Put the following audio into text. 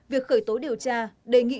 việc khởi tố điều tra đề nghị